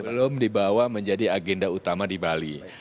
belum dibawa menjadi agenda utama di bali